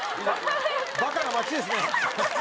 バカな街ですね。